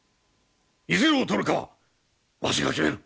いずれを取るかはわしが決める！